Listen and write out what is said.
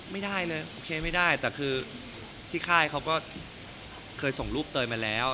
ไม่ได้เลยโอเคไม่ได้แต่คือที่ค่ายเขาก็เคยส่งรูปเตยมาแล้ว